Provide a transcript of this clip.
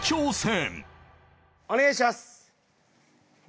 お願いします。